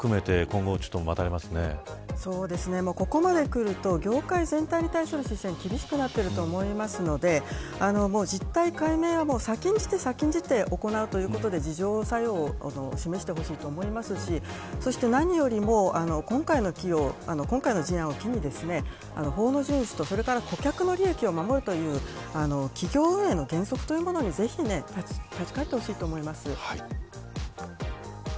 実態の解明も含めて、今後ここまでくると業界全体が厳しくなっていると思いますので実態解明は先んじて行うということで自浄作用を示してほしいと思いますしそして何よりも今回の事案を機に法整備と顧客の利益を守るという企業運営の原則というものにぜひ立ち返ってほしいと思います。